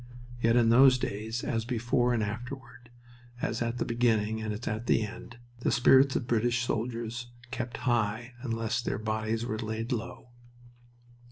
Yet in those days, as before and afterward, as at the beginning and as at the end, the spirits of British soldiers kept high unless their bodies were laid low.